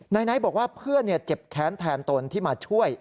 นายนายบอกเพื่อนเจ็บแค้นแทนตนที่มาช่วย